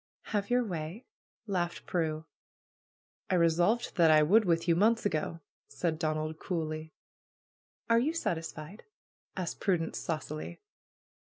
"Have your way!" laughed Prue. "I resolved that I would with you, months ago," said Donald coolly. "Are you satisfied?" asked Prudence saucily.